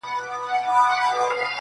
• هره پاڼه يې غيرت دی -